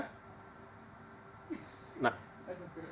pak wali kota sudah mendengar